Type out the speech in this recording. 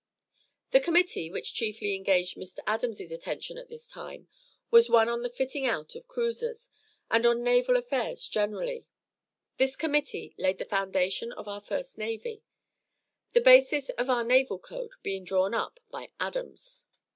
The committee, which chiefly engaged Mr. Adams' attention at this time, was one on the fitting out of cruisers, and on naval affairs generally. This committee laid the foundation of our first navy; the basis of our naval code being drawn up by Adams.